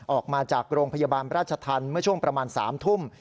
ออกมาจากโรงพยาบาลราชธรรมเมื่อช่วงประมาณ๓ทุ่ม